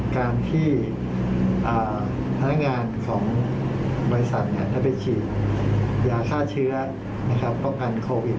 เกิดจากการที่พนักงานของบริษัท